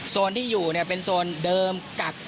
โซนที่อยู่เนี่ยเป็นโซนเดิมกับ